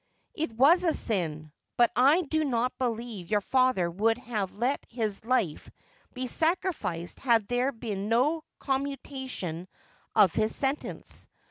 ' It was a sin, but I do not believe your father would have let his life be sacrificed had there been no commutation of his sentence.